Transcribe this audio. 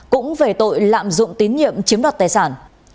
cũng về tội lạm dụng tín nhiệm chiếm đoạt tài sản